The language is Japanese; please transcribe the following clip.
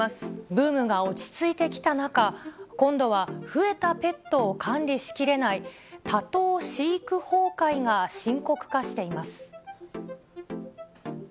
ブームが落ち着いてきた中、今度は増えたペットを管理しきれない、多頭飼育崩壊が深刻化しています。